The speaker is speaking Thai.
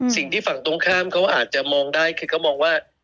สิ่งที่ฝั่งตรงข้ามเขาอาจจะมองได้คือเขามองว่า